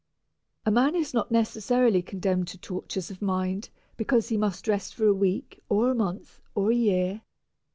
A man is not necessarily condemned to tortures of mind because he must rest for a week or a month or a year.